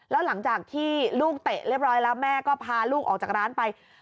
แล้วหลังจากที่ลูกเตะเรียบร้อยแล้วแม่ก็พาลูกออกจากร้านไป